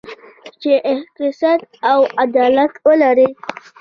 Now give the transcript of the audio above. چې اقتصاد او عدالت ولري.